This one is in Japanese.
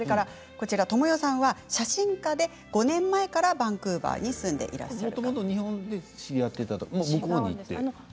トモヨさんは写真家で５年前からバンクーバーに住んでいらっしゃいます。